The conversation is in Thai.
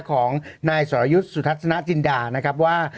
ของนายสรยุทธ์สุทัศนจินดานะครับว่า